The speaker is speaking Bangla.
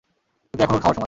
কিন্তু এখন ওর খাওয়ার সময়।